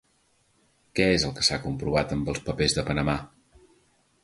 Què és el que s'ha comprovat amb els papers de Panamà?